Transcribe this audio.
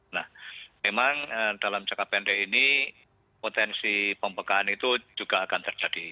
nah memang dalam jangka pendek ini potensi pembekaan itu juga akan terjadi